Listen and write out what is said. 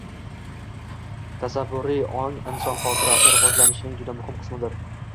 Tasavvuriy ong inson xotirasi rivojlanishining juda muhim qismidir.